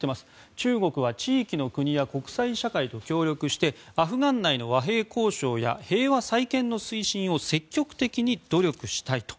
中国は地域の国や国際社会と協力してアフガン内の和平交渉や平和再建の推進を積極的に努力したいと。